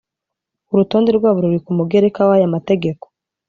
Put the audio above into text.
Urutonde rwabo ruri ku mugereka w aya mategeko